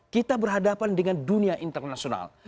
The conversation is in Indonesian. kita berhadapan dengan dunia internasional